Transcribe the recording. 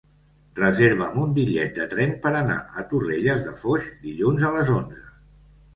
Reserva'm un bitllet de tren per anar a Torrelles de Foix dilluns a les onze.